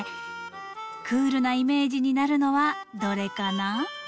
クールなイメージになるのはどれかな？